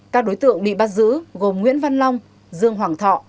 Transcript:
các đối tượng bị bắt giữ gồm nguyễn văn long dương hoàng thọ